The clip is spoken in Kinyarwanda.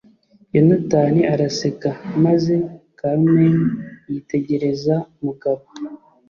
Yonatani araseka maze Carmen yitegereza Mugabo.